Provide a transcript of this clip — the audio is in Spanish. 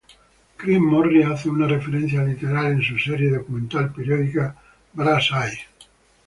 Chris Morris hace una referencia literal en su serie documental paródica "Brass eye".